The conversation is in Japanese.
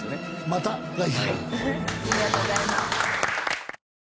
また来週。